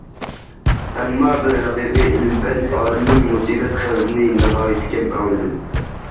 ئەمما بىر ھەقىقىي ئىلىم- پەن ئالىمىنىڭ مۇسىبەت خەۋىرىنى ناھايىتى كەم ئاڭلىدىم.